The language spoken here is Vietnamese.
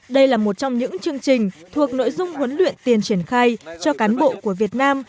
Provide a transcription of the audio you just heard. đây là một trong những chương trình thuộc nội dung huấn luyện tiền triển khai cho cán bộ của việt nam